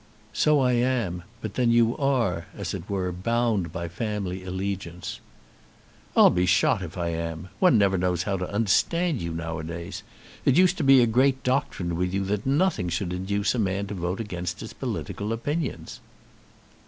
"So I am. But then you are, as it were, bound by family allegiance." "I'll be shot if I am. One never knows how to understand you nowadays. It used to be a great doctrine with you, that nothing should induce a man to vote against his political opinions."